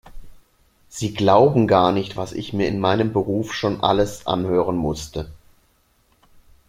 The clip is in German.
Sie glauben gar nicht, was ich mir in meinem Beruf schon alles anhören musste.